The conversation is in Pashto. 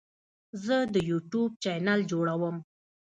زه د یوټیوب چینل جوړوم.